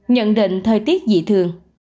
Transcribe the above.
nhận định thời tiết dị thường